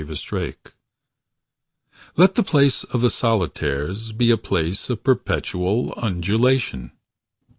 pdf Let the place of the solitaires Be a place of perpetual undulation.